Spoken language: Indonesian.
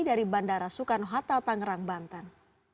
dari bandara soekarno hatta tangerang banten